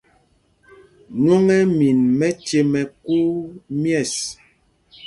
Nwɔŋ ɛ́ ɛ́ min mɛce mɛ kuu mƴɛ̂ɛs.